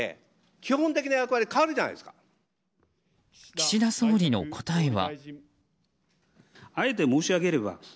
岸田総理の答えは。